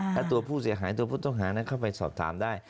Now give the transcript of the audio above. ถ้าตัวผู้เสียหายตัวผู้ต้องหานั้นเข้าไปสอบถามได้